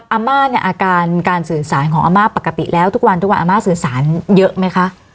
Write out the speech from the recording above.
อาม่าเนี่ยอาการการสื่อสารของอาม่าปกติแล้วทุกวันทุกวันอาม่าสื่อสารเยอะไหมคะ